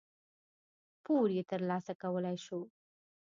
پور یې ترلاسه کولای شو.